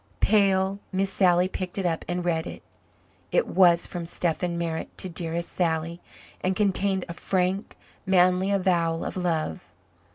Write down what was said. Pale, Miss Sally picked it up and read it. It was from Stephen Merritt to "dearest Sally," and contained a frank, manly avowal of love.